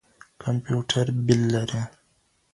کمپيوټر بِل لري.